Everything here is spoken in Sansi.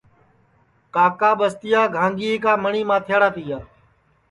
کاکا ٻستِیا گھانٚگِئے کا مٹؔی ماتھیڑا تِیا